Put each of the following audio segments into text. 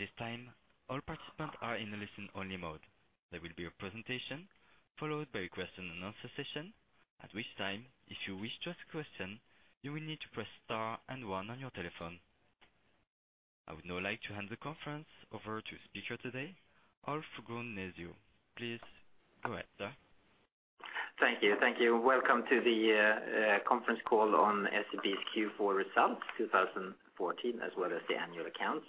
At this time, all participants are in listen-only mode. There will be a presentation followed by a question and answer session. At which time, if you wish to ask a question, you will need to press star and one on your telephone. I would now like to hand the conference over to speaker today, Ulf Grunnesjö. Please go ahead, sir. Thank you. Welcome to the conference call on SEB's Q4 results 2014, as well as the annual accounts.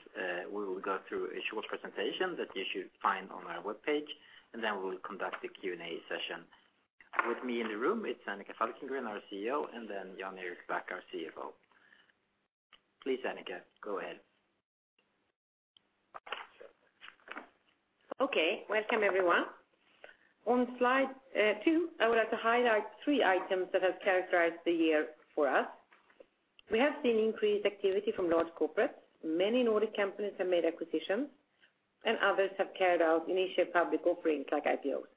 We will go through a short presentation that you should find on our webpage, and then we'll conduct the Q&A session. With me in the room, it's Annika Falkengren, our CEO, and then Jan Erik Back, our CFO. Please, Annika, go ahead. Okay. Welcome, everyone. On slide two, I would like to highlight three items that have characterized the year for us. We have seen increased activity from large corporates. Many Nordic companies have made acquisitions, and others have carried out initial public offerings like IPOs.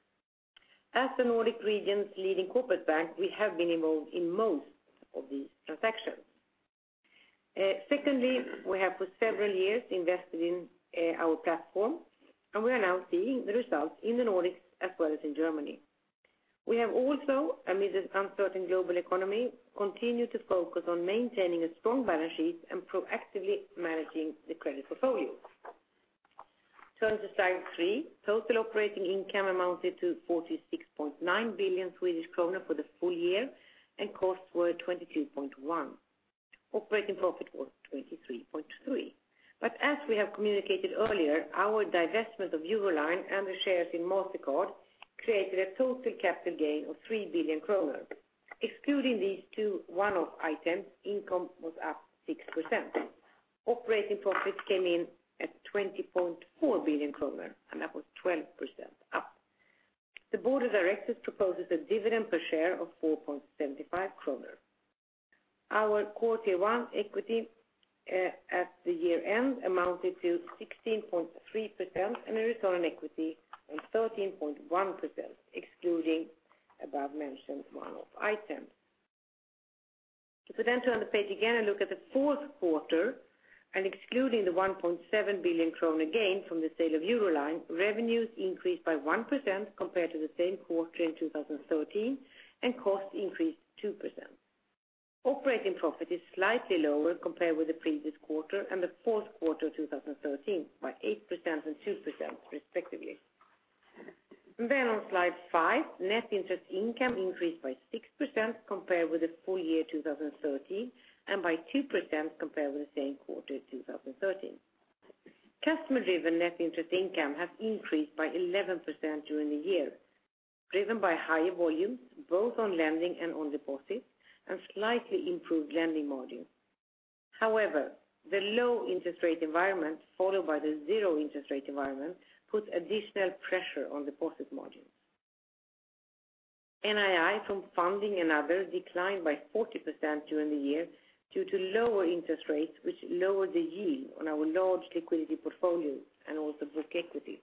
As the Nordic region's leading corporate bank, we have been involved in most of these transactions. Secondly, we have for several years invested in our platform, and we are now seeing the results in the Nordics as well as in Germany. We have also, amid an uncertain global economy, continued to focus on maintaining a strong balance sheet and proactively managing the credit portfolio. Turn to slide three. Total operating income amounted to 46.9 billion Swedish krona for the full year, and costs were 22.1 billion. Operating profit was 23.3 billion. As we have communicated earlier, our divestment of Euroline and the shares in MasterCard created a total capital gain of 3 billion kronor. Excluding these two one-off items, income was up 6%. Operating profit came in at 20.4 billion kronor, and that was 12% up. The board of directors proposes a dividend per share of 4.75 kronor. Our Common Equity Tier 1 at the year-end amounted to 16.3%, and a return on equity of 13.1%, excluding above-mentioned one-off items. Turn the page again and look at the fourth quarter, and excluding the 1.7 billion kronor gain from the sale of Euroline, revenues increased by 1% compared to the same quarter in 2013, and costs increased 2%. Operating profit is slightly lower compared with the previous quarter and the fourth quarter 2013, by 8% and 2% respectively. On slide five, net interest income increased by 6% compared with the full year 2013, and by 2% compared with the same quarter 2013. Customer-driven net interest income has increased by 11% during the year, driven by higher volumes both on lending and on deposits, and slightly improved lending margin. The low interest rate environment followed by the zero interest rate environment put additional pressure on deposit margins. NII from funding and other declined by 40% during the year due to lower interest rates, which lowered the yield on our large liquidity portfolio and also book equity.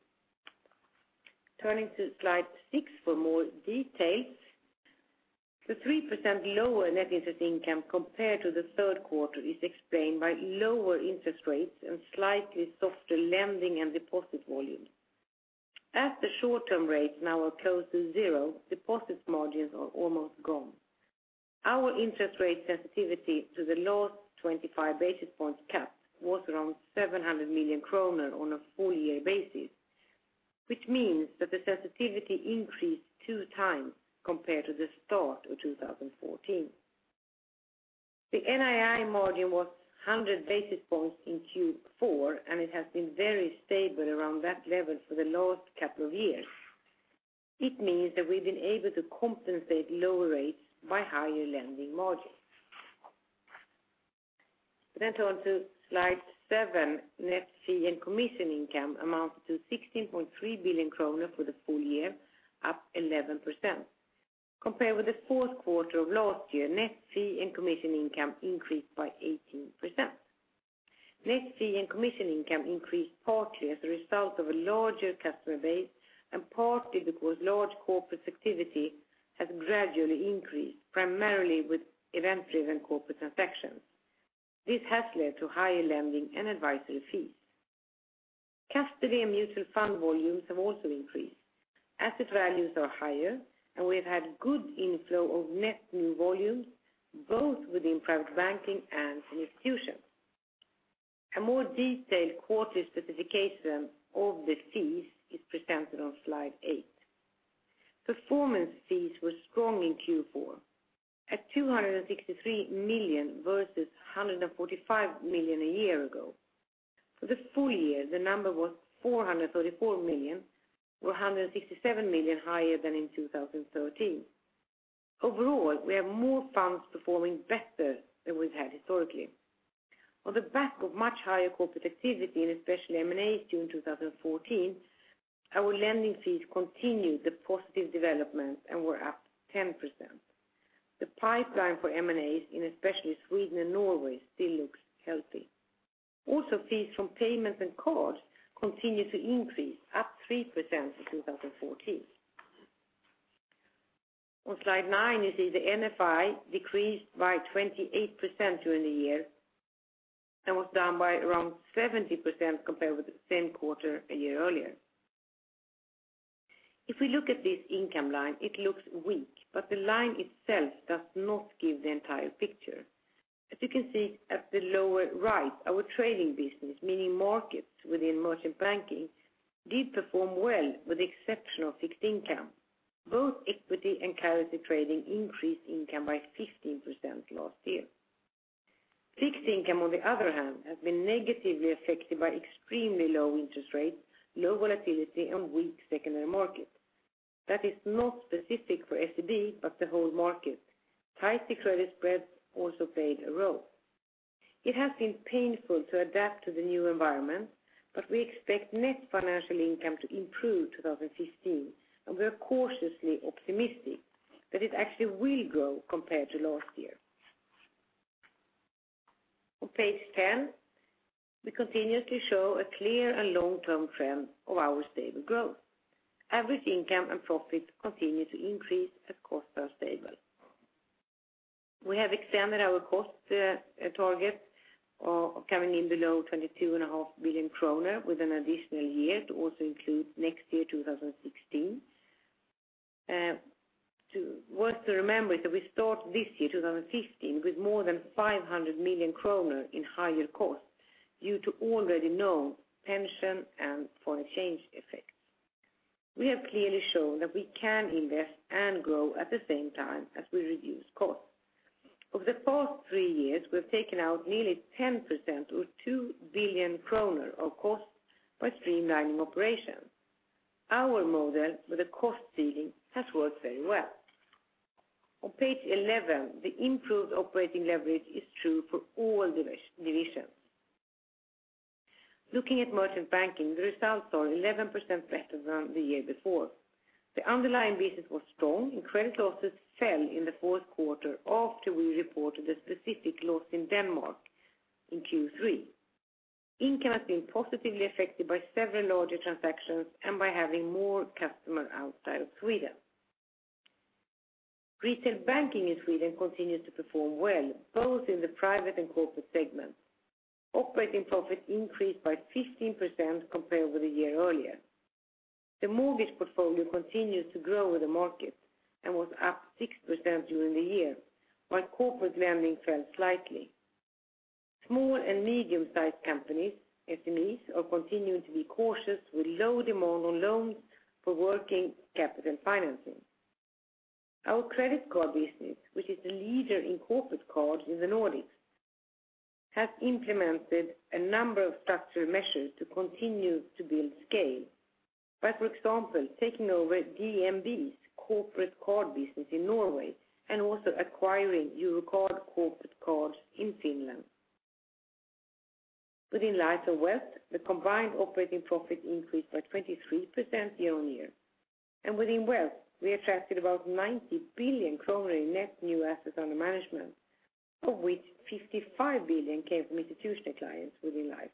Turning to slide six for more details. The 3% lower net interest income compared to the third quarter is explained by lower interest rates and slightly softer lending and deposit volumes. The short-term rates now are close to zero, deposit margins are almost gone. Our interest rate sensitivity to the last 25 basis points cap was around 700 million kronor on a full year basis, which means that the sensitivity increased two times compared to the start of 2014. The NII margin was 100 basis points in Q4, and it has been very stable around that level for the last couple of years. It means that we've been able to compensate lower rates by higher lending margins. Turn to slide seven. Net fee and commission income amounted to 16.3 billion kronor for the full year, up 11%. Compared with the fourth quarter of last year, net fee and commission income increased by 18%. Net fee and commission income increased partly as a result of a larger customer base and partly because large corporate activity has gradually increased, primarily with event-driven corporate transactions. This has led to higher lending and advisory fees. Custody and mutual fund volumes have also increased. Asset values are higher, and we've had good inflow of net new volumes, both within private banking and in institutions. A more detailed quarterly specification of the fees is presented on slide eight. Performance fees were strong in Q4 at 263 million versus 145 million a year ago. For the full year, the number was 434 million, or 167 million higher than in 2013. Overall, we have more funds performing better than we've had historically. On the back of much higher corporate activity in especially M&As during 2014, our lending fees continued the positive development and were up 10%. The pipeline for M&As in especially Sweden and Norway still looks healthy. Fees from payments and cards continued to increase, up 3% in 2014. On slide nine, you see the NFI decreased by 28% during the year and was down by around 70% compared with the same quarter a year earlier. If we look at this income line, it looks weak, but the line itself does not give the entire picture. You can see at the lower right, our trading business, meaning markets within merchant banking, did perform well with the exception of fixed income. Both equity and currency trading increased income by 15% last year. Fixed income, on the other hand, has been negatively affected by extremely low interest rates, low volatility, and weak secondary markets. That is not specific for SEB, but the whole market. Tight security spreads also played a role. It has been painful to adapt to the new environment, but we expect net financial income to improve 2015, and we are cautiously optimistic that it actually will grow compared to last year. On page 10, we continuously show a clear and long-term trend of our stable growth. Average income and profits continue to increase as costs are stable. We have extended our cost target of coming in below 22.5 billion kronor with an additional year to also include next year, 2016. Worth to remember that we start this year, 2015, with more than 500 million kronor in higher costs due to already known pension and foreign exchange effects. We have clearly shown that we can invest and grow at the same time as we reduce costs. Over the past three years, we've taken out nearly 10%, or 2 billion kronor, of costs by streamlining operations. Our model with a cost ceiling has worked very well. On page 11, the improved operating leverage is true for all divisions. Looking at merchant banking, the results are 11% better than the year before. The underlying business was strong, and credit losses fell in the fourth quarter after we reported a specific loss in Denmark in Q3. Income has been positively affected by several larger transactions and by having more customers outside of Sweden. Retail banking in Sweden continues to perform well, both in the private and corporate segments. Operating profit increased by 15% compared with a year earlier. The mortgage portfolio continues to grow with the market and was up 6% during the year, while corporate lending fell slightly. Small and Medium-sized Enterprises, SMEs, are continuing to be cautious with low demand on loans for working capital financing. Our credit card business, which is the leader in corporate cards in the Nordics, has implemented a number of structural measures to continue to build scale. By, for example, taking over DNB's corporate card business in Norway and also acquiring Eurocard corporate cards in Finland. Within Life and Wealth, the combined operating profit increased by 23% year-over-year. And within Wealth, we attracted about 90 billion kronor in net new assets under management, of which 55 billion came from institutional clients within Life.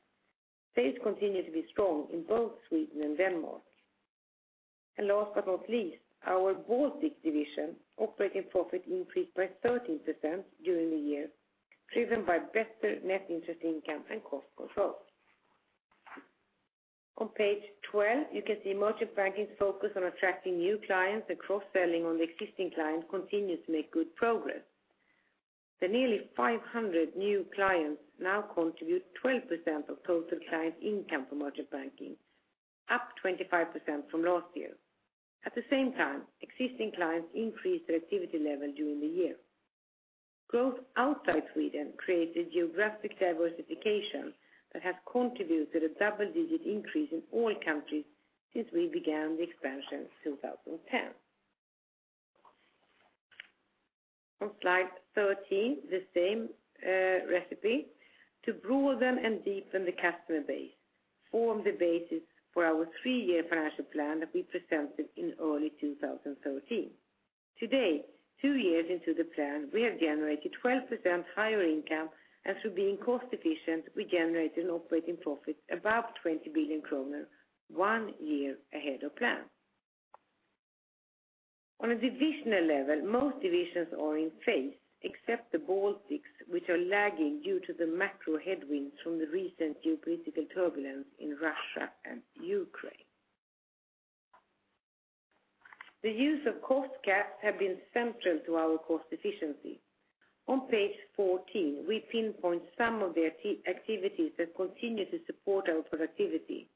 Sales continue to be strong in both Sweden and Denmark. And last but not least, our Baltics division operating profit increased by 13% during the year, driven by better net interest income and cost control. On page 12, you can see merchant banking's focus on attracting new clients and cross-selling on the existing clients continues to make good progress. The nearly 500 new clients now contribute 12% of total client income for merchant banking, up 25% from last year. At the same time, existing clients increased their activity level during the year. Growth outside Sweden created geographic diversification that has contributed a double-digit increase in all countries since we began the expansion 2010. On slide 13, the same recipe to broaden and deepen the customer base formed the basis for our three-year financial plan that we presented in early 2013. Today, two years into the plan we have generated 12% higher income and through being cost efficient, we generated an operating profit above 20 billion kronor, one year ahead of plan. On a divisional level, most divisions are in phase except the Baltics, which are lagging due to the macro headwinds from the recent geopolitical turbulence in Russia and Ukraine. The use of cost caps have been central to our cost efficiency. On page 14, we pinpoint some of the activities that continue to support our productivity.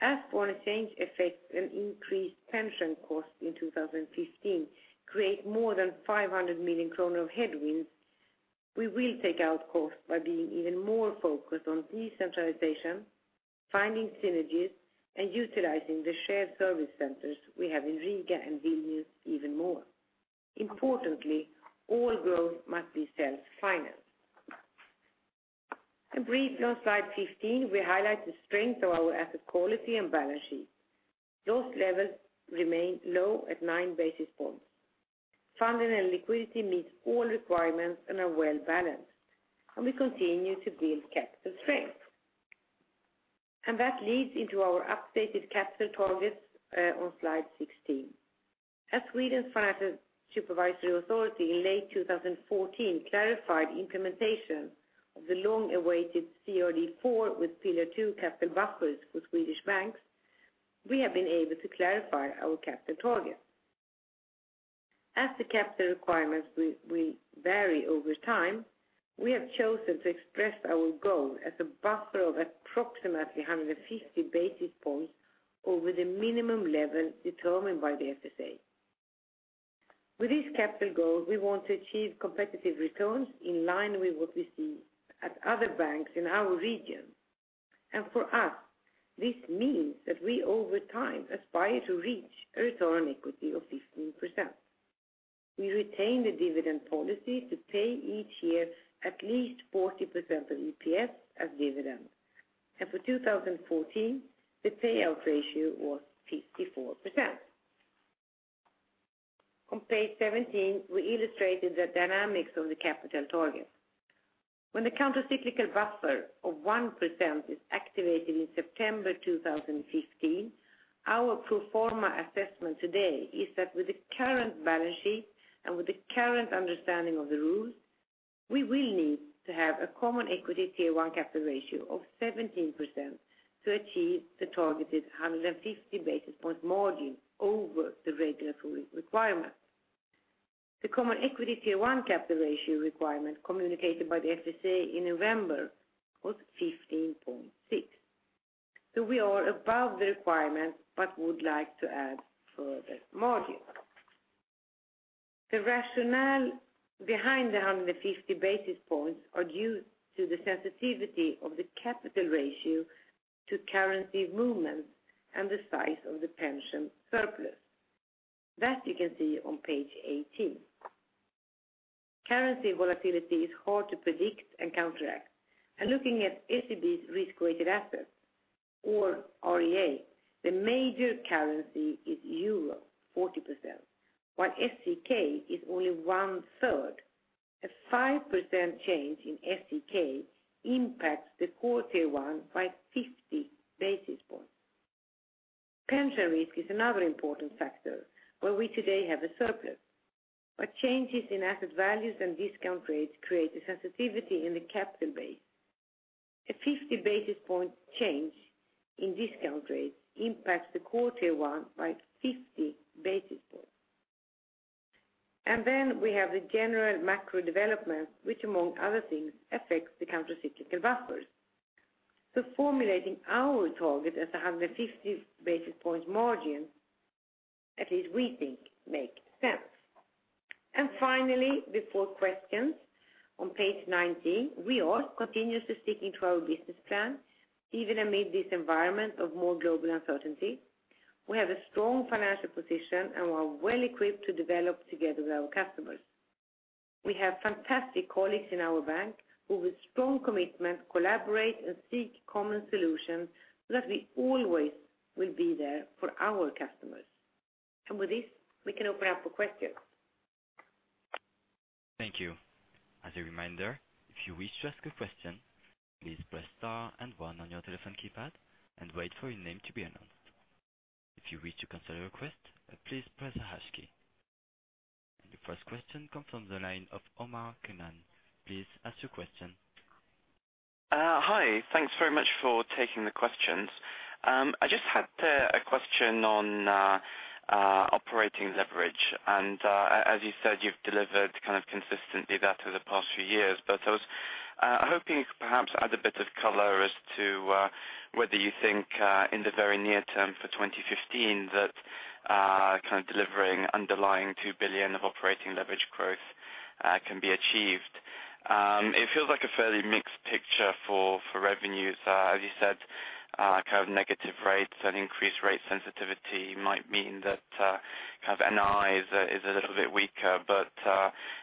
As foreign exchange effects and increased pension costs in 2015 create more than 500 million kronor of headwinds, we will take out costs by being even more focused on decentralization, finding synergies, and utilizing the shared service centers we have in Riga and Vilnius even more. Importantly, all growth must be self-financed. Briefly on slide 15, we highlight the strength of our asset quality and balance sheet. Loss levels remain low at nine basis points. Funding and liquidity meet all requirements and are well-balanced. We continue to build capital strength. That leads into our updated capital targets on slide 16. As Swedish Financial Supervisory Authority in late 2014 clarified implementation of the long-awaited CRD IV with Pillar 2 capital buffers for Swedish banks, we have been able to clarify our capital target. As the capital requirements will vary over time, we have chosen to express our goal as a buffer of approximately 150 basis points over the minimum level determined by the FSA. With this capital goal, we want to achieve competitive returns in line with what we see at other banks in our region. For us, this means that we, over time, aspire to reach a return on equity of 15%. We retain the dividend policy to pay each year at least 40% of EPS as dividends. For 2014, the payout ratio was 54%. On page 17, we illustrated the dynamics of the capital target. When the countercyclical buffer of 1% is activated in September 2015, our pro forma assessment today is that with the current balance sheet and with the current understanding of the rules, we will need to have a Common Equity Tier 1 capital ratio of 17% to achieve the targeted 150 basis point margin over the regular full requirement. The Common Equity Tier 1 capital ratio requirement communicated by the FSA in November was 15.6%. We are above the requirement but would like to add further margin. The rationale behind the 150 basis points are due to the sensitivity of the capital ratio to currency movements and the size of the pension surplus. That you can see on page 18. Currency volatility is hard to predict and counteract. Looking at SEB's risk-weighted assets, or REA, the major currency is EUR, 40%, while SEK is only one-third. A 5% change in SEK impacts the core Tier 1 by 50 basis points. Pension risk is another important factor where we today have a surplus, but changes in asset values and discount rates create a sensitivity in the capital base. A 50 basis point change in discount rates impacts the core Tier 1 by 50 basis points. We have the general macro development, which among other things affects the countercyclical buffers. Formulating our target as 150 basis points margin, at least we think makes sense. Finally, before questions, on page 19, we are continuously sticking to our business plan, even amid this environment of more global uncertainty. We have a strong financial position and we are well-equipped to develop together with our customers. We have fantastic colleagues in our bank who, with strong commitment, collaborate and seek common solutions so that we always will be there for our customers. With this, we can open up for questions. Thank you. As a reminder, if you wish to ask a question, please press star and one on your telephone keypad and wait for your name to be announced. If you wish to cancel a request, please press the hash key. The first question comes from the line of Omar Keenan. Please ask your question. Hi. Thanks very much for taking the questions. I just had a question on operating leverage. As you said, you've delivered consistently that over the past few years, but I was hoping you could perhaps add a bit of color as to whether you think in the very near term for 2015 that delivering underlying 2 billion of operating leverage growth can be achieved. It feels like a fairly mixed picture for revenues. As you said, negative rates and increased rate sensitivity might mean that NII is a little bit weaker, but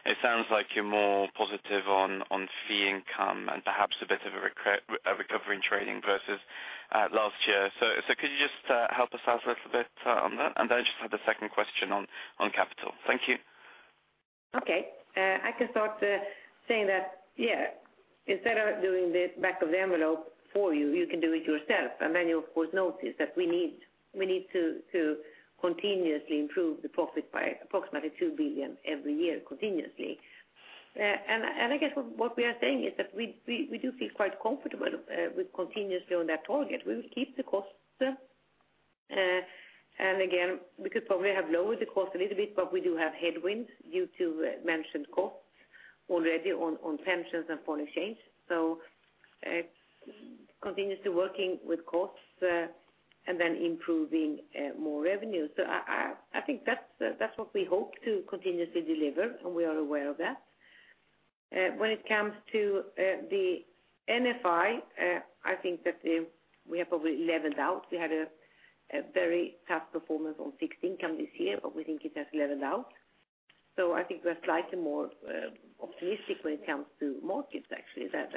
it sounds like you're more positive on fee income and perhaps a bit of a recovering trading versus last year. Could you just help us out a little bit on that? Then I just have a second question on capital. Thank you. Okay. I can start saying that, instead of doing the back of the envelope for you can do it yourself. Then you, of course, notice that we need to continuously improve the profit by approximately 2 billion every year continuously. I guess what we are saying is that we do feel quite comfortable with continuously on that target. We will keep the costs, and again, we could probably have lowered the cost a little bit, but we do have headwinds due to mentioned costs already on pensions and foreign exchange. Continuously working with costs and then improving more revenue. I think that's what we hope to continuously deliver, and we are aware of that. When it comes to the NFI, I think that we have probably leveled out. We had a very tough performance on fixed income this year, but we think it has leveled out. I think we are slightly more optimistic when it comes to markets, actually, that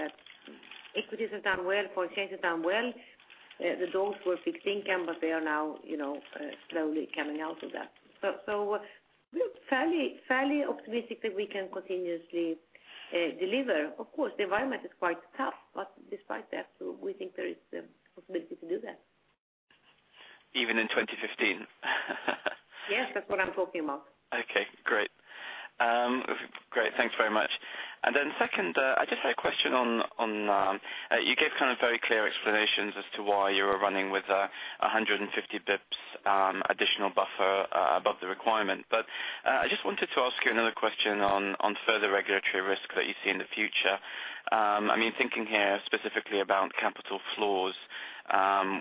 equities have done well, foreign exchange has done well. The doors were fixed income, but they are now slowly coming out of that. Fairly optimistic that we can continuously deliver. Of course, the environment is quite tough, but despite that, we think there is the possibility to do that. Even in 2015? Yes, that's what I'm talking about. Okay, great. Thanks very much. Second, I just had a question on, you gave very clear explanations as to why you were running with 150 basis points additional buffer above the requirement. I just wanted to ask you another question on further regulatory risk that you see in the future. I'm thinking here specifically about capital floors,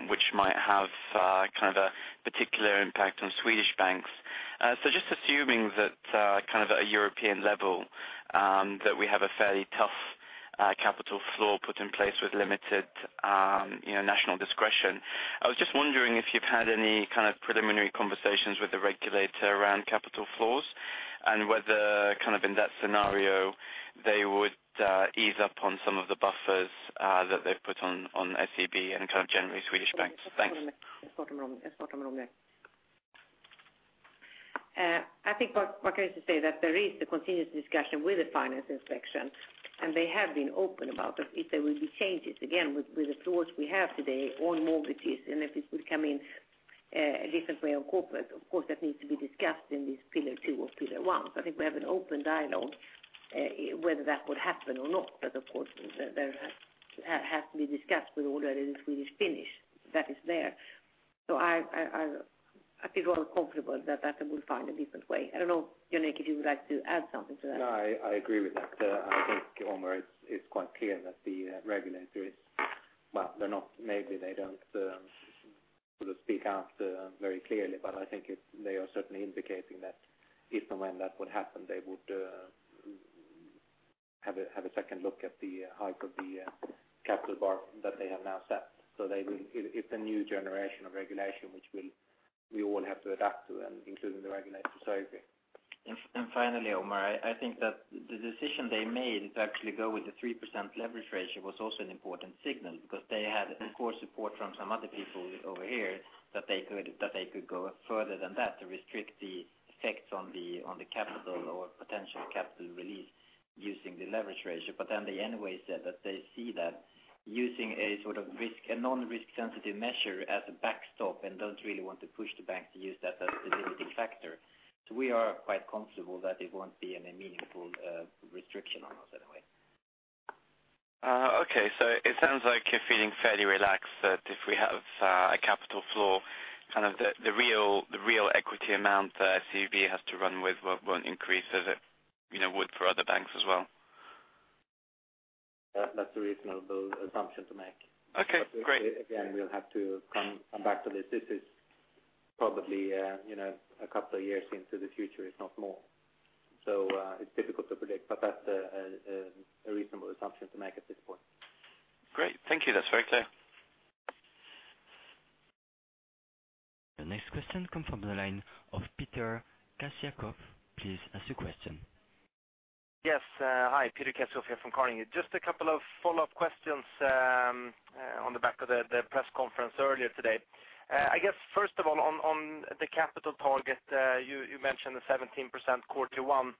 which might have a particular impact on Swedish banks. Just assuming that at a European level, that we have a fairly tough capital floor put in place with limited national discretion. I was just wondering if you've had any preliminary conversations with the regulator around capital floors, and whether in that scenario they would ease up on some of the buffers that they've put on SEB and generally Swedish banks. Thanks. I think what I can just say that there is the continuous discussion with the Finansinspektionen, and they have been open about if there will be changes again with the floors we have today on mortgages, and if it will come in a different way on corporate. Of course, that needs to be discussed in this Pillar 2 or Pillar 1. I think we have an open dialogue whether that would happen or not. Of course, that has to be discussed with all the other Swedish financial institutions that is there. I feel well comfortable that they will find a different way. I don't know, Jan-Erik, if you would like to add something to that. No, I agree with that. I think, Omar, it's quite clear that the regulator is Well, maybe they don't speak out very clearly, I think they are certainly indicating that if and when that would happen, they would have a second look at the hike of the capital bar that they have now set. It's a new generation of regulation, which we all have to adapt to, including the regulators. Agree. Finally, Omar, I think that the decision they made to actually go with the 3% leverage ratio was also an important signal because they had core support from some other people over here that they could go further than that to restrict the effects on the capital or potential capital release using the leverage ratio. They anyway said that they see that using a non-risk sensitive measure as a backstop and don't really want to push the bank to use that as the limiting factor. We are quite comfortable that it won't be any meaningful restriction on us anyway. Okay. It sounds like you're feeling fairly relaxed that if we have a capital floor, the real equity amount that SEB has to run with won't increase as it would for other banks as well. That's a reasonable assumption to make. Okay, great. We'll have to come back to this. This is probably a couple of years into the future, if not more. It's difficult to predict, but that's a reasonable assumption to make at this point. Great. Thank you. That's very clear. The next question comes from the line of Peter Kessiakoff. Please ask your question. Yes. Hi, Peter Kessiakoff from Carnegie. Just a couple of follow-up questions on the back of the press conference earlier today. I guess first of all, on the capital target you mentioned the 17% quarterly one.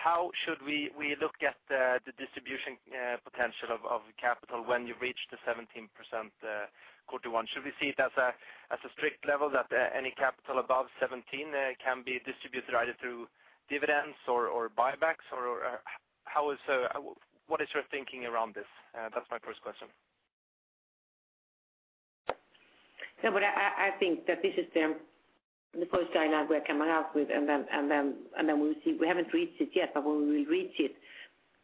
How should we look at the distribution potential of capital when you reach the 17% quarterly one? Should we see it as a strict level that any capital above 17 can be distributed either through dividends or buybacks? What is your thinking around this? That's my first question. I think that this is the first dialogue we are coming out with, and then we'll see. We haven't reached it yet, but when we reach it,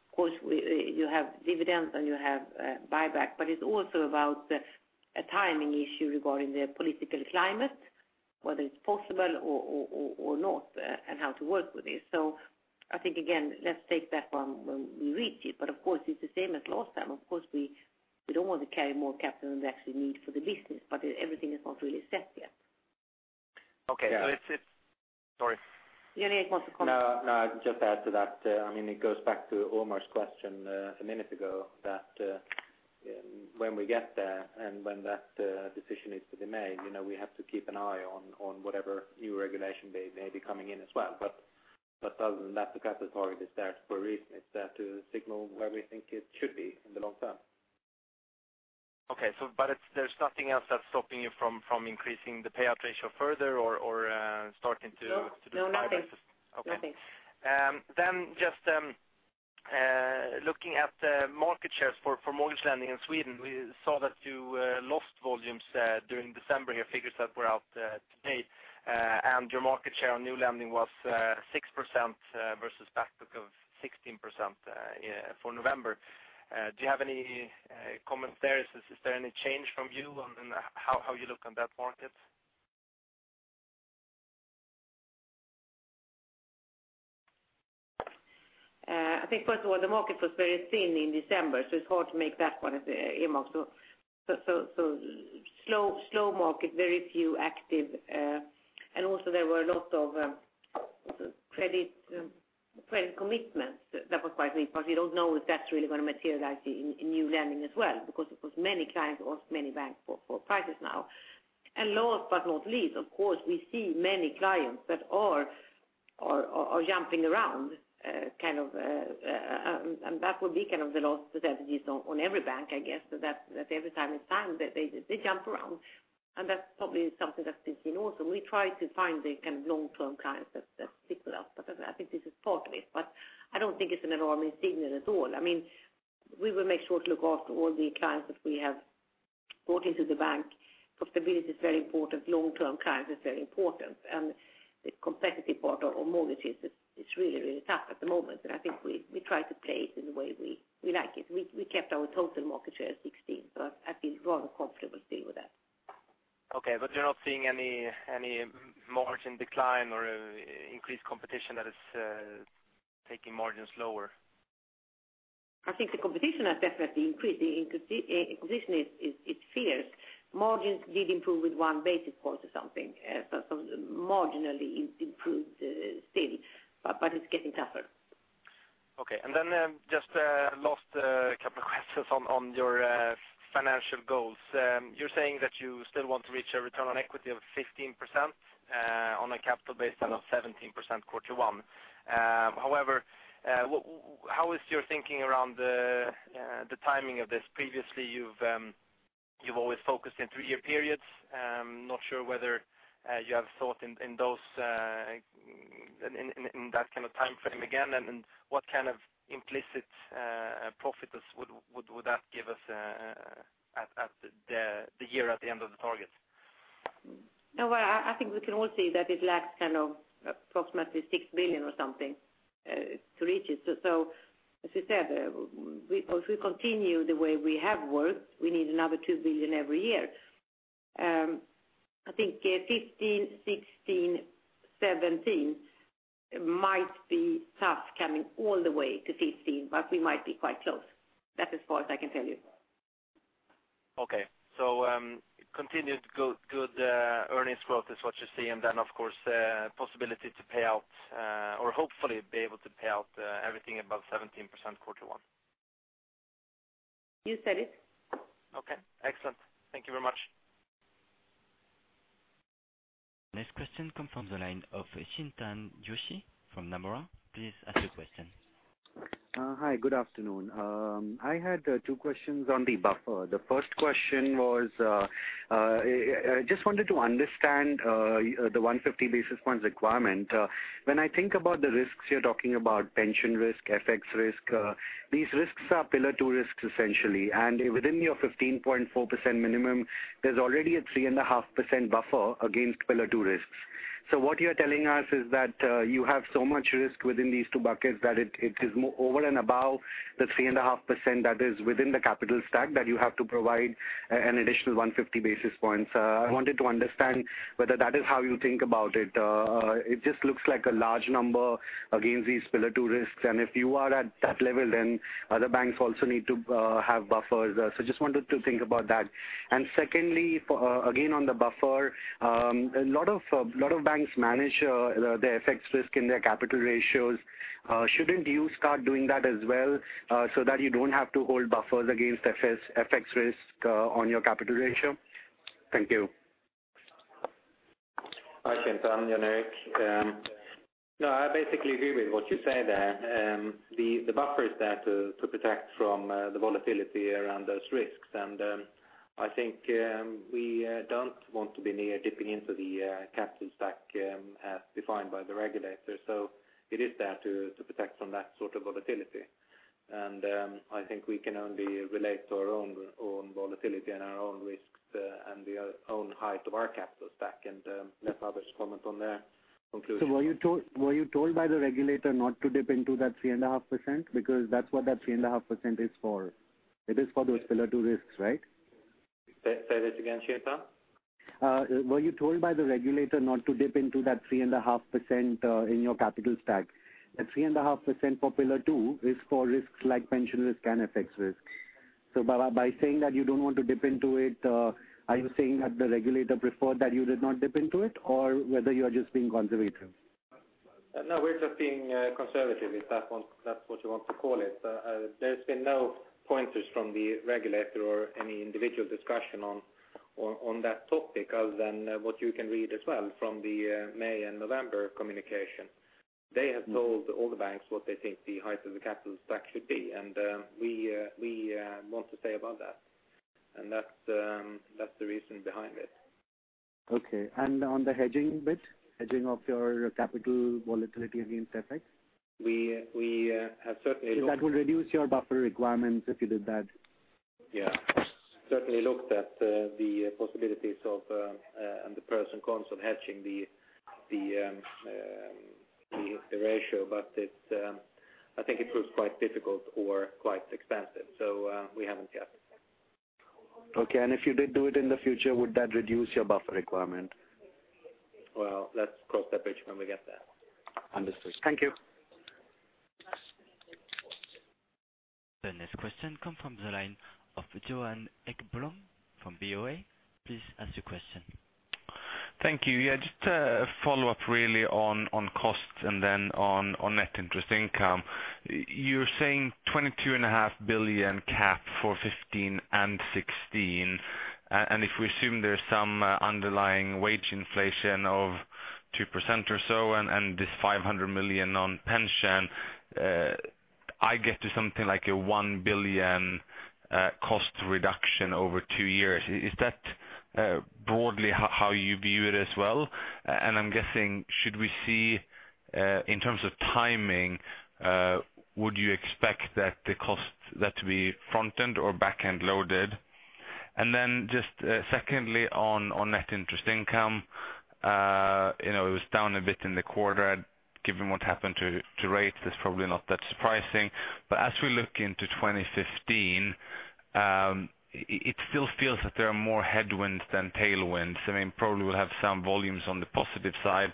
of course, you have dividends and you have buyback, but it's also about a timing issue regarding the political climate, whether it's possible or not, and how to work with this. I think, again, let's take that one when we reach it. Of course, it's the same as last time. Of course, we don't want to carry more capital than we actually need for the business. Everything is not really set yet. Okay. Sorry. Jan-Erik wants to comment. No, I'd just add to that. It goes back to Omar's question a minute ago that when we get there and when that decision is to be made, we have to keep an eye on whatever new regulation may be coming in as well. Other than that, the capital target is there for a reason. It's there to signal where we think it should be in the long term. Okay. There's nothing else that's stopping you from increasing the payout ratio further or starting to. No. Nothing do buybacks. Okay. Nothing. Just looking at market shares for mortgage lending in Sweden, we saw that you lost volumes during December here, figures that were out today. Your market share on new lending was 6% versus back book of 16% for November. Do you have any comments there? Is there any change from you on how you look on that market? I think first of all, the market was very thin in December, so it's hard to make that one as a remark. Slow market, very few active. Also there were a lot of credit commitments that was quite weak. Of course, we don't know if that's really going to materialize in new lending as well because of course many clients ask many banks for prices now. Last but not least, of course, we see many clients that are jumping around, and that would be the last strategies on every bank, I guess. Every time it's time that they jump around, and that's probably something that's been seen also. We try to find the long-term clients that stick with us, but I think this is part of it, but I don't think it's an alarming signal at all. We will make sure to look after all the clients that we have brought into the bank. Stability is very important. Long-term clients is very important, and the competitive part of mortgages is really tough at the moment. I think we try to play it in the way we like it. We kept our total market share at 16, so I feel rather comfortable still with that. Okay. You're not seeing any margin decline or increased competition that is taking margins lower? I think the competition has definitely increased. The increase is fierce. Margins did improve with one basis point or something. Marginally improved still, but it's getting tougher. Okay. Just last couple questions on your financial goals. You're saying that you still want to reach a return on equity of 15% on a capital base plan of 17% Quarter One. How is your thinking around the timing of this? Previously, you've always focused in three-year periods. I'm not sure whether you have thought in that kind of timeframe again, and what kind of implicit profit would that give us at the year at the end of the target? Well, I think we can all see that it lacks approximately six billion or something to reach it. As we said, if we continue the way we have worked, we need another two billion every year. I think 2015, 2016, 2017 might be tough coming all the way to 15. We might be quite close. That is far as I can tell you. Continued good earnings growth is what you see, and then, of course, possibility to pay out or hopefully be able to pay out everything above 17% Quarter One. You said it. Okay, excellent. Thank you very much. Next question comes from the line of Chintan Joshi from Nomura. Please ask your question. Hi, good afternoon. I had two questions on the buffer. The first question was, I just wanted to understand the 150 basis points requirement. When I think about the risks you're talking about pension risk, FX risk, these risks are Pillar 2 risks, essentially. Within your 15.4% minimum, there's already a 3.5% buffer against Pillar 2 risks. What you're telling us is that you have so much risk within these two buckets that it is over and above the 3.5% that is within the capital stack that you have to provide an additional 150 basis points. I wanted to understand whether that is how you think about it. It just looks like a large number against these Pillar 2 risks, and if you are at that level, then other banks also need to have buffers. Just wanted to think about that. Secondly, again on the buffer, a lot of banks manage their FX risk in their capital ratios. Shouldn't you start doing that as well, so that you don't have to hold buffers against FX risk on your capital ratio? Thank you. Hi, Chintan. Jan Erik. No, I basically agree with what you say there. The buffer is there to protect from the volatility around those risks, and I think we don't want to be near dipping into the capital stack as defined by the regulator. It is there to protect from that sort of volatility. I think we can only relate to our own volatility and our own risks and the own height of our capital stack, and let others comment on their conclusions. Were you told by the regulator not to dip into that 3.5% because that's what that 3.5% is for? It is for those Pillar 2 risks, right? Say that again, Chintan. Were you told by the regulator not to dip into that 3.5% in your capital stack? That 3.5% for Pillar 2 is for risks like pension risk and FX risk. By saying that you don't want to dip into it, are you saying that the regulator preferred that you did not dip into it or whether you are just being conservative? No, we're just being conservative, if that's what you want to call it. There's been no pointers from the regulator or any individual discussion on that topic other than what you can read as well from the May and November communication. They have told all the banks what they think the height of the capital stack should be. We want to stay above that. That's the reason behind it. Okay. On the hedging bit, hedging of your capital volatility against FX? We have certainly looked. If that will reduce your buffer requirements if you did that? Yeah. Certainly looked at the possibilities of, and the pros and cons of hedging the ratio. I think it proves quite difficult or quite expensive. We haven't yet. Okay. If you did do it in the future, would that reduce your buffer requirement? Well, let's cross that bridge when we get there. Understood. Thank you. The next question comes from the line of Johan Ekblom from BofA. Please ask your question. Thank you. Just a follow-up really on costs and then on net interest income. You're saying 22.5 billion cap for 2015 and 2016. If we assume there's some underlying wage inflation of 2% or so, and this 500 million on pension, I get to something like a 1 billion cost reduction over two years. Is that broadly how you view it as well? I'm guessing, should we see, in terms of timing, would you expect that the cost to be front-end or back-end loaded? Just secondly on net interest income. It was down a bit in the quarter, given what happened to rates, that's probably not that surprising. As we look into 2015, it still feels that there are more headwinds than tailwinds. Probably we'll have some volumes on the positive side,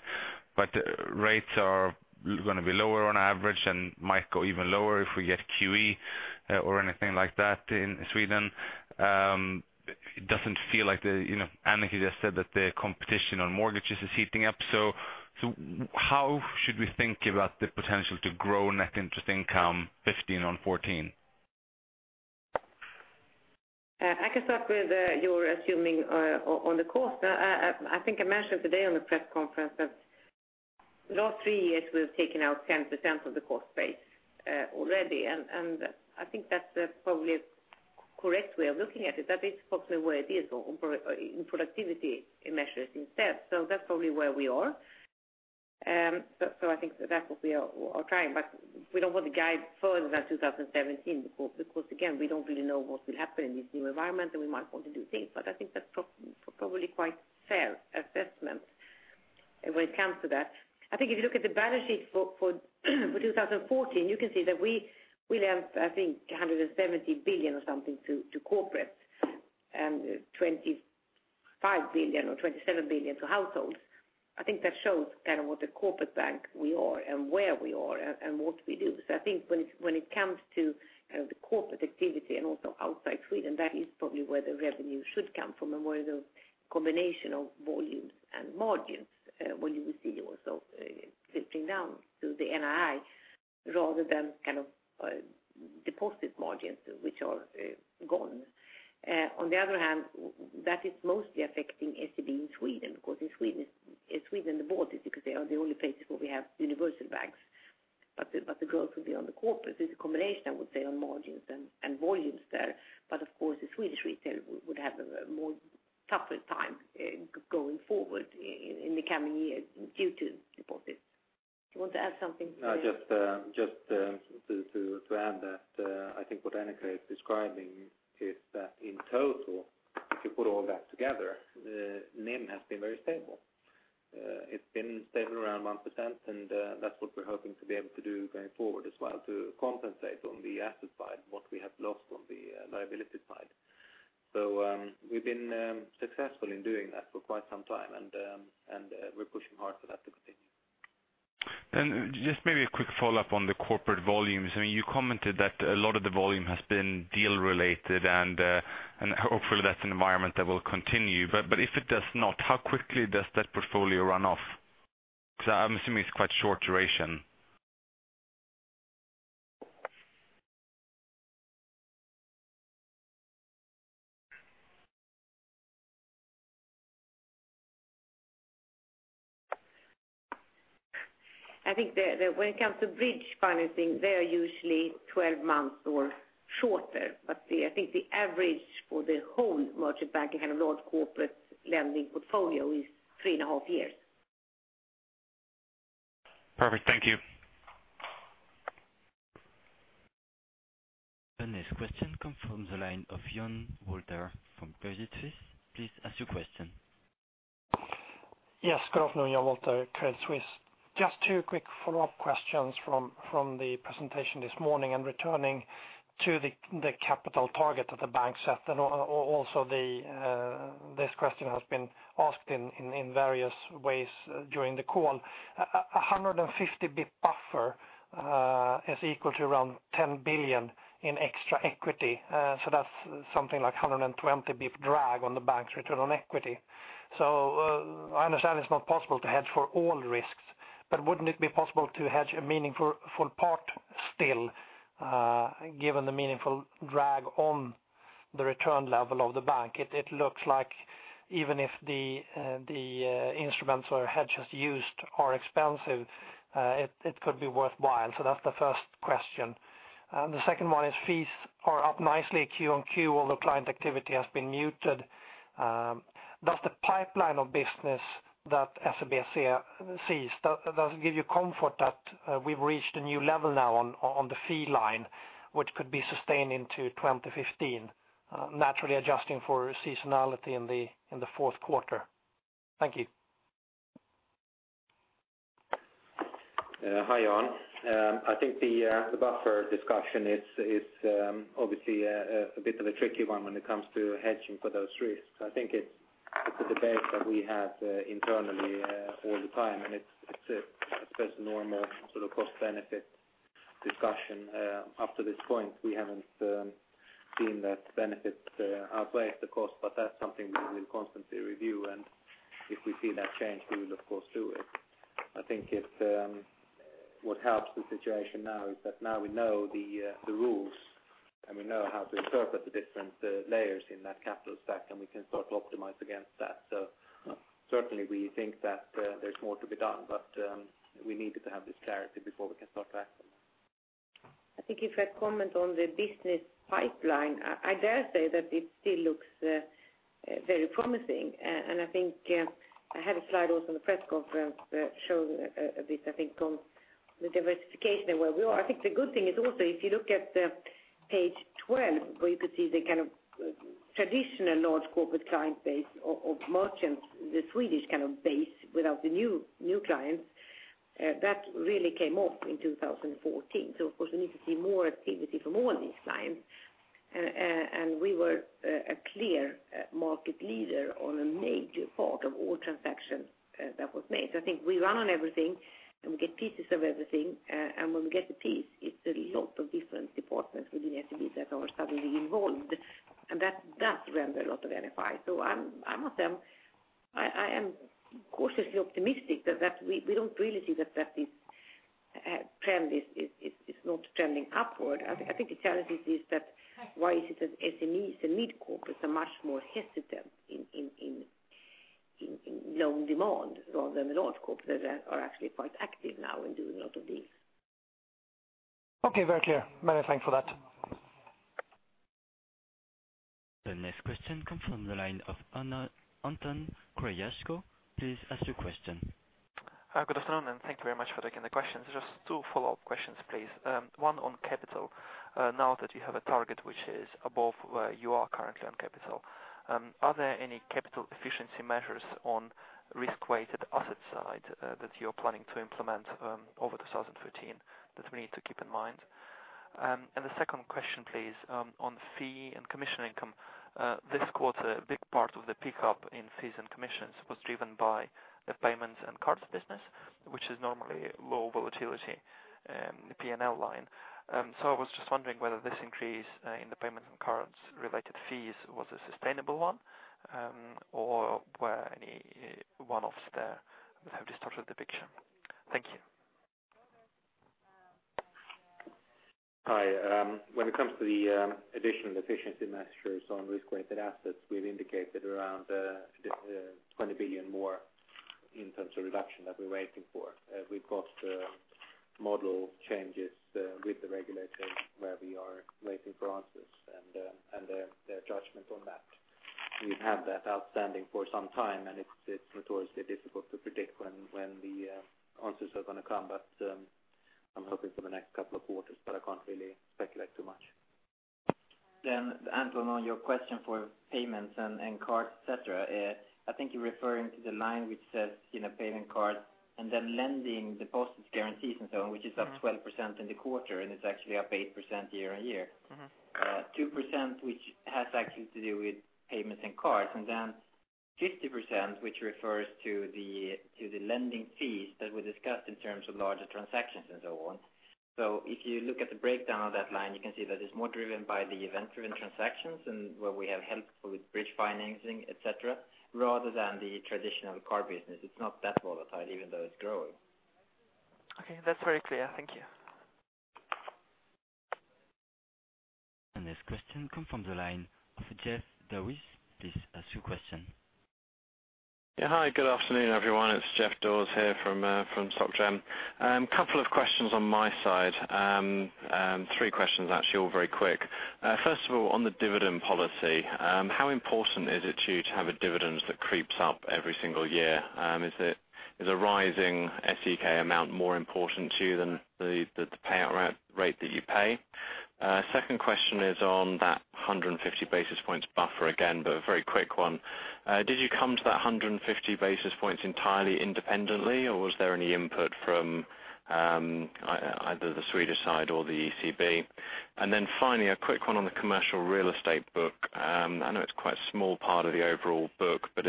but rates are going to be lower on average and might go even lower if we get QE or anything like that in Sweden. It doesn't feel like Annika just said that the competition on mortgages is heating up. How should we think about the potential to grow net interest income 2015 on 2014? I can start with your assuming on the cost. I think I mentioned today on the press conference that last three years we've taken out 10% of the cost base already, and I think that's probably a correct way of looking at it. That is probably where it is in productivity measures instead. That's probably where we are. I think that's what we are trying, but we don't want to guide further than 2017 because, again, we don't really know what will happen in this new environment, and we might want to do things. I think that's probably quite fair assessment when it comes to that. I think if you look at the balance sheet for 2014, you can see that we lend, I think, 170 billion or something to corporate and 25 billion or 27 billion to households. I think that shows what a corporate bank we are and where we are and what we do. I think when it comes to the corporate activity and also outside Sweden, that is probably where the revenue should come from, and more of those combination of volumes and margins, where you will see also filtering down to the NII rather than deposit margins, which are gone. On the other hand, that is mostly affecting SEB in Sweden, because in Sweden the board is because they are the only places where we have universal banks. The growth will be on the corporate. There's a combination, I would say, on margins and volumes there, but of course, the Swedish retail would have a more tougher time going forward in the coming years due to deposits. Do you want to add something? No, just to add that, I think what Annika is describing is that in total, if you put all that together, NIM has been very stable. It's been stable around 1%, and that's what we're hoping to be able to do going forward as well to compensate on the asset side what we have lost on the liability side. We've been successful in doing that for quite some time, and we're pushing hard for that to continue. Just maybe a quick follow-up on the corporate volumes. You commented that a lot of the volume has been deal related, and hopefully that's an environment that will continue. If it does not, how quickly does that portfolio run off? Because I'm assuming it's quite short duration. I think when it comes to bridge financing, they are usually 12 months or shorter, but I think the average for the whole merchant banking large corporate lending portfolio is three and a half years. Perfect. Thank you. The next question comes from the line of John Walter from Credit Suisse. Please ask your question. Yes, good afternoon. John Walter, Credit Suisse. Just two quick follow-up questions from the presentation this morning and returning to the capital target of the bank set, and also this question has been asked in various ways during the call. 150 BP buffer is equal to around 10 billion in extra equity. That's something like 120 BP drag on the bank's return on equity. I understand it's not possible to hedge for all risks, but wouldn't it be possible to hedge a meaningful part still, given the meaningful drag on the return level of the bank? It looks like even if the instruments or hedges used are expensive, it could be worthwhile. That's the first question. The second one is fees are up nicely Q on Q, although client activity has been muted. Does the pipeline of business that SEB sees, does it give you comfort that we've reached a new level now on the fee line, which could be sustained into 2015, naturally adjusting for seasonality in the fourth quarter? Thank you. Hi, John. I think the buffer discussion is obviously a bit of a tricky one when it comes to hedging for those risks. I think it's a debate that we had internally all the time, and it's a normal cost-benefit discussion. Up to this point, we haven't seen that the benefits outweigh the cost, but that's something that we'll constantly review, and if we see that change, we will of course do it. I think what helps the situation now is that now we know the rules, and we know how to interpret the different layers in that capital stack, and we can start to optimize against that. Certainly, we think that there's more to be done. We needed to have this clarity before we can start to act on that. I think if I comment on the business pipeline, I dare say that it still looks very promising. I think I had a slide also in the press conference that showed this, I think from the diversification and where we are. I think the good thing is also, if you look on page 12, where you could see the traditional large corporate client base of merchants, the Swedish base without the new clients, that really came off in 2014. Of course, we need to see more activity from all these clients. We were a clear market leader on a major part of all transactions that was made. I think we run on everything, and we get pieces of everything. When we get a piece, it's a lot of different departments within SEB that are suddenly involved, and that does render a lot of NFI. I must say, I am cautiously optimistic that we don't really see that this trend is not trending upward. I think the challenge is that why is it that SMEs, the mid corporates, are much more hesitant in loan demand rather than large corporates that are actually quite active now and doing a lot of deals. Okay, very clear. Many thanks for that. The next question comes from the line of Anton Kreisky. Please ask your question. Good afternoon, thank you very much for taking the questions. Just two follow-up questions, please. One on capital. Now that you have a target which is above where you are currently on capital, are there any capital efficiency measures on risk-weighted asset side that you're planning to implement over 2015 that we need to keep in mind? The second question please, on fee and commission income. This quarter, a big part of the pickup in fees and commissions was driven by the payments and cards business, which is normally low volatility P&L line. I was just wondering whether this increase in the payments and cards related fees was a sustainable one, or were any one-offs there that have distorted the picture. Thank you. Hi. When it comes to the additional efficiency measures on risk-weighted assets, we've indicated around 20 billion more in terms of reduction that we're waiting for. We've got model changes with the regulators where we are waiting for answers and their judgment on that. We have that outstanding for some time, and it's notoriously difficult to predict when the answers are going to come. I'm hoping for the next couple of quarters, I can't really speculate too much. Anton, on your question for payments and cards, et cetera, I think you're referring to the line which says payment cards and then lending deposits and guarantees and so on, which is up 12% in the quarter, and it's actually up 8% year-on-year. 2%, which has actually to do with payments and cards, and then 50%, which refers to the lending fees that we discussed in terms of larger transactions and so on. If you look at the breakdown of that line, you can see that it's more driven by the event-driven transactions and where we have helped with bridge financing, et cetera, rather than the traditional card business. It's not that volatile even though it's growing. Okay, that's very clear. Thank you. The next question comes from the line of Jeff Dawes. Please ask your question. Yeah. Hi, good afternoon, everyone. It's Jeff Dawes here from Totem. Couple of questions on my side. Three questions actually, all very quick. First of all, on the dividend policy, how important is it to you to have a dividend that creeps up every single year? Is a rising SEK amount more important to you than the payout rate that you pay? Second question is on that 150 basis points buffer again, but a very quick one. Did you come to that 150 basis points entirely independently, or was there any input from either the Swedish side or the ECB? Finally, a quick one on the commercial real estate book. I know it's quite a small part of the overall book, but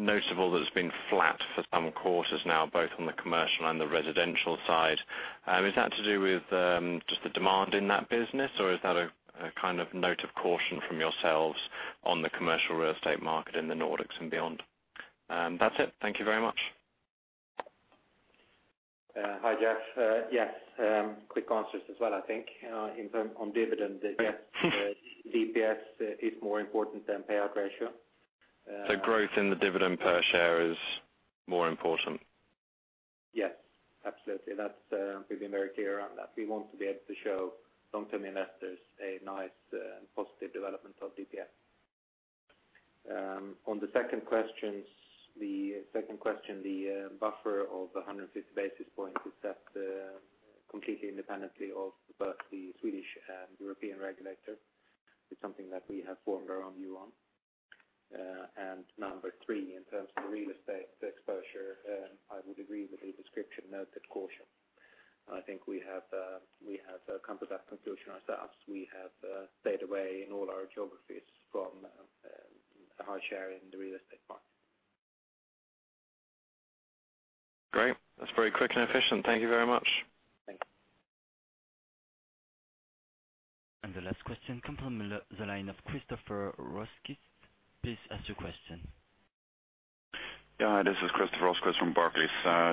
it's notable that it's been flat for some quarters now, both on the commercial and the residential side. Is that to do with just the demand in that business, or is that a note of caution from yourselves on the commercial real estate market in the Nordics and beyond? That's it. Thank you very much. Hi, Jeff. Yes, quick answers as well I think. In terms on dividend, yes, DPS is more important than payout ratio. growth in the dividend per share is more important? Yes, absolutely. We've been very clear on that. We want to be able to show long-term investors a nice positive development of DPS. On the second question, the buffer of 150 basis points is set completely independently of both the Swedish and European regulator. It's something that we have formed our own view on. Number three, in terms of the real estate exposure, I would agree with the description note of caution I think we have come to that conclusion ourselves. We have stayed away in all our geographies from a high share in the real estate market. Great. That's very quick and efficient. Thank you very much. Thank you. The last question comes from the line of Christoffer Rosquist. Please ask your question. Yeah. This is Christoffer Rosquist from Barclays.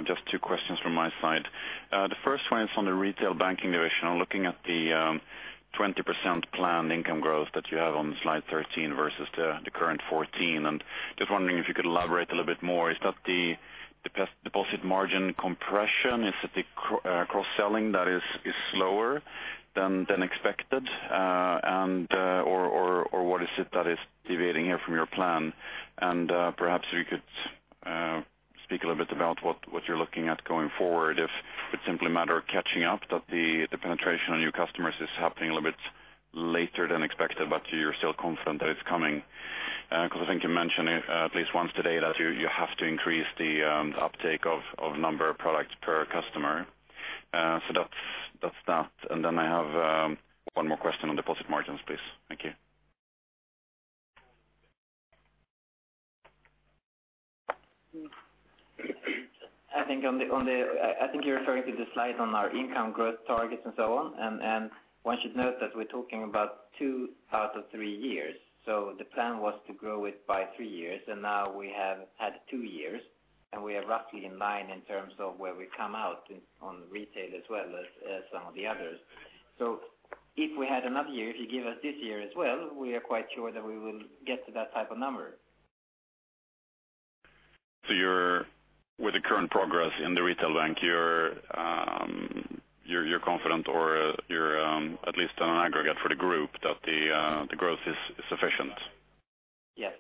Just two questions from my side. The first one is on the retail banking division. I'm looking at the 20% planned income growth that you have on slide 13 versus the current 14. Just wondering if you could elaborate a little bit more, is that the deposit margin compression? Is it the cross-selling that is slower than expected? What is it that is deviating here from your plan? Perhaps you could speak a little bit about what you're looking at going forward, if it's simply a matter of catching up, that the penetration on your customers is happening a little bit later than expected, but you're still confident that it's coming. Because I think you mentioned at least once today that you have to increase the uptake of number of products per customer. That's that. I have one more question on deposit margins, please. Thank you. I think you're referring to the slide on our income growth targets and so on, and one should note that we're talking about two out of three years. The plan was to grow it by three years, and now we have had two years, and we are roughly in line in terms of where we come out on retail as well as some of the others. If we had another year, if you give us this year as well, we are quite sure that we will get to that type of number. With the current progress in the retail bank, you're confident or you're at least on an aggregate for the group that the growth is sufficient? Yes.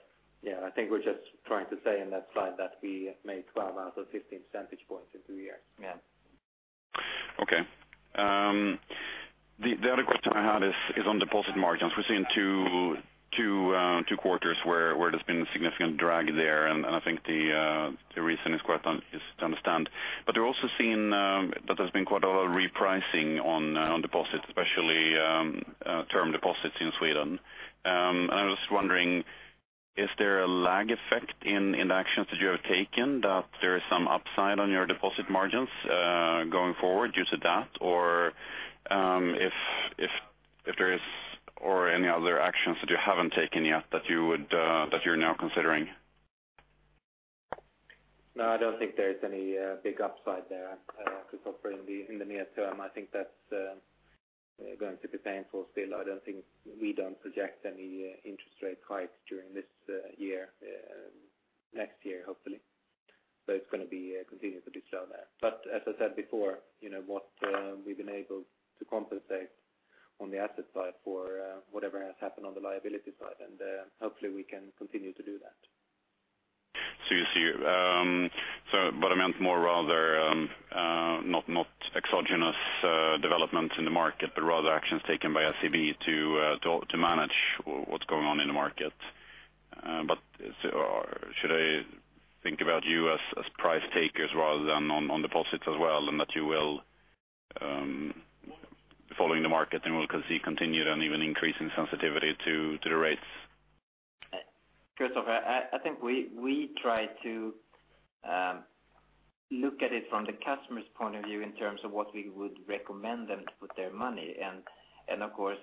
I think we're just trying to say in that slide that we made 12 out of 15 percentage points in two years. Yeah. Okay. The other question I had is on deposit margins. We're seeing two quarters where there's been a significant drag there, and I think the reason is to understand. We're also seeing that there's been quite a lot of repricing on deposits, especially term deposits in Sweden. I was wondering, is there a lag effect in the actions that you have taken that there is some upside on your deposit margins going forward due to that? Or if there is any other actions that you haven't taken yet that you're now considering? I don't think there's any big upside there, Christoffer, in the near term. I think that's going to be painful still. We don't project any interest rate hike during this year. Next year, hopefully. It's going to be continuing to be slow there. As I said before, what we've been able to compensate on the asset side for whatever has happened on the liability side, and hopefully we can continue to do that. You see. I meant more rather not exogenous developments in the market, rather actions taken by SEB to manage what's going on in the market. Should I think about you as price takers rather than on deposits as well, and that you will be following the market and we'll see continued and even increasing sensitivity to the rates? Christoffer, I think we try to look at it from the customer's point of view in terms of what we would recommend them to put their money. Of course,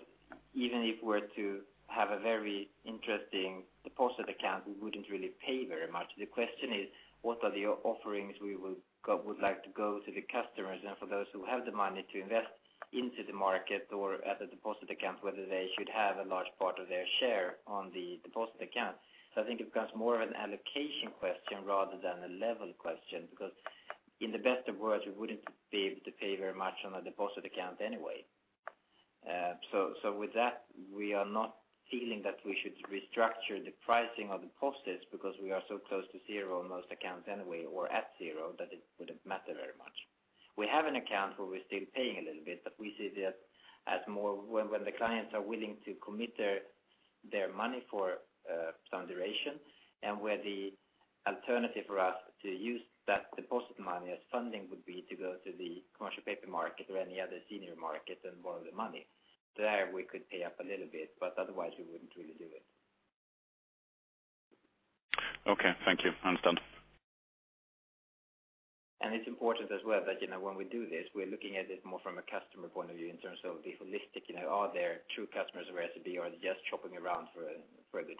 even if we're to have a very interesting deposit account, we wouldn't really pay very much. The question is, what are the offerings we would like to go to the customers and for those who have the money to invest into the market or at the deposit account, whether they should have a large part of their share on the deposit account. I think it becomes more of an allocation question rather than a level question, because in the best of worlds, we wouldn't be able to pay very much on a deposit account anyway. With that, we are not feeling that we should restructure the pricing of deposits because we are so close to zero on most accounts anyway, or at zero, that it wouldn't matter very much. We have an account where we're still paying a little bit, but we see that as more when the clients are willing to commit their money for some duration, and where the alternative for us to use that deposit money as funding would be to go to the commercial paper market or any other senior market and borrow the money. There we could pay up a little bit, but otherwise we wouldn't really do it. Okay. Thank you. Understand. It's important as well that when we do this, we're looking at it more from a customer point of view in terms of the holistic, are there true customers of SEB or are they just shopping around for the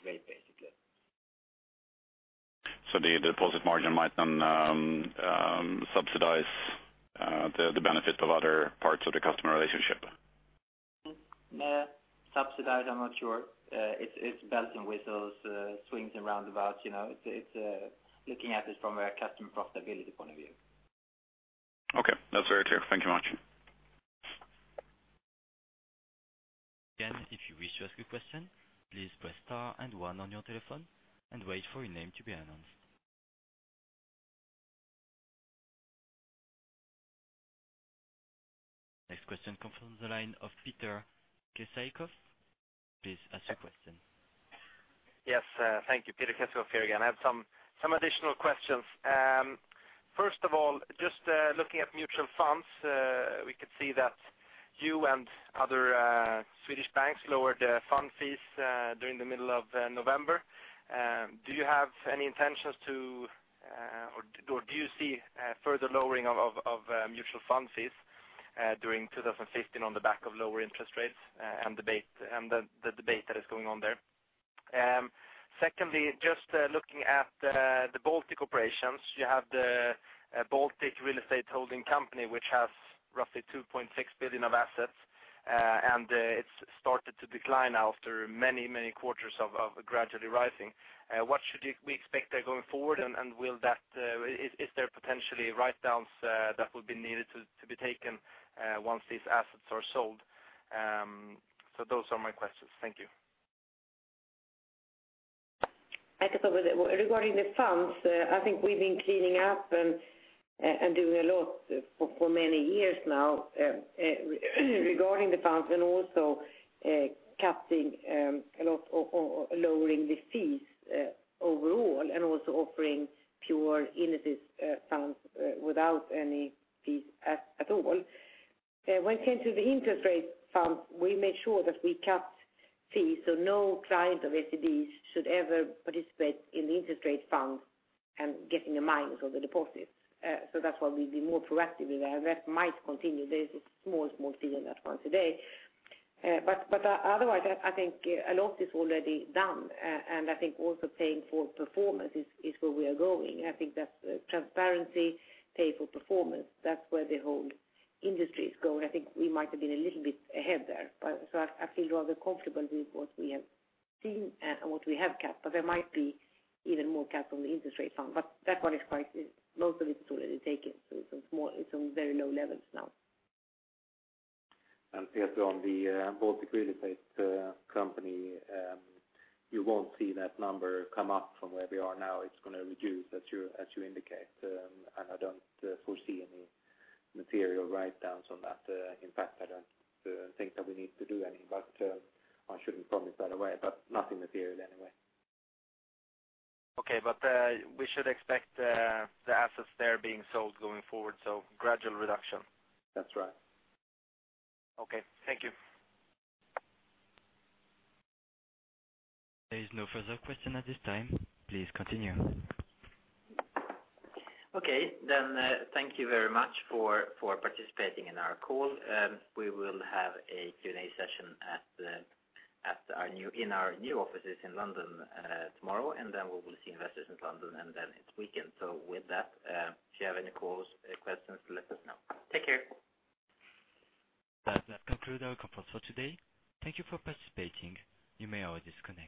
rate, basically. The deposit margin might then subsidize the benefit of other parts of the customer relationship. No. Subsidize, I'm not sure. It's bells and whistles, swings and roundabouts. It's looking at it from a customer profitability point of view. Okay. That's very clear. Thank you much. Again, if you wish to ask a question, please press star and one on your telephone and wait for your name to be announced. Next question comes from the line of Peter Kessiakoff. Please ask your question. Yes. Thank you, Peter Kessiakoff here again. I have some additional questions. First of all, just looking at mutual funds, we could see that you and other Swedish banks lowered fund fees during the middle of November. Do you have any intentions to, or do you see further lowering of mutual fund fees during 2015 on the back of lower interest rates and the debate that is going on there? Secondly, just looking at the Baltic operations, you have the Baltic Real Estate Holding Company, which has roughly 2.6 billion of assets, and it's started to decline after many quarters of gradually rising. What should we expect there going forward, and is there potentially writedowns that would be needed to be taken once these assets are sold? Those are my questions. Thank you. Regarding the funds, I think we've been cleaning up and doing a lot for many years now regarding the funds and also capping a lot or lowering the fees overall and also offering pure indices funds without any fees at all. When it came to the interest rate funds, we made sure that we capped fees so no client of SEB should ever participate in the interest rate funds and get in the minus of the deposits. That's why we've been more proactive with that. That might continue. There is a small fee on that one today. Otherwise, I think a lot is already done, and I think also paying for performance is where we are going. I think that transparency pay for performance, that's where the whole industry is going. I think we might have been a little bit ahead there. I feel rather comfortable with what we have seen and what we have capped. There might be even more cap on the interest rate fund. That one is quite. Most of it is already taken, so it's on very low levels now. Peter, on the Baltic Real Estate company, you won't see that number come up from where we are now. It's going to reduce as you indicate. I don't foresee any material writedowns on that. In fact, I don't think that we need to do any, I shouldn't promise that way, nothing material anyway. Okay, we should expect the assets there being sold going forward, so gradual reduction. That's right. Okay. Thank you. There is no further question at this time. Please continue. Okay. Thank you very much for participating in our call. We will have a Q&A session in our new offices in London tomorrow, we will see investors in London, it's weekend. With that, if you have any calls, questions, let us know. Take care. That concludes our call for today. Thank you for participating. You may all disconnect.